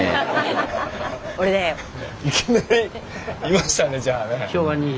いきなりいましたねじゃあね。